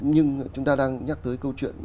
nhưng chúng ta đang nhắc tới câu chuyện